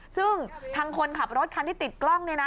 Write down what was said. ซึ่งทางคนขับรถคันที่ติดกล้อง